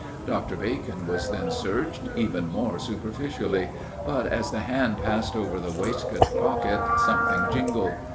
Dr. Bacon was then searched, even more superficially; but as the hand passed over the waistcoat pocket, something jingled.